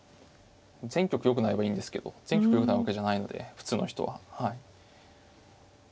全局よくなればいいんですけど全局よくなるわけじゃないので普通の人は。